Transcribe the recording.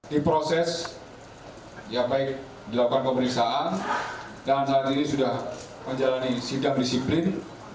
di proses ya baik dilakukan pemeriksaan dan saat ini sudah menjalani sidang disiplin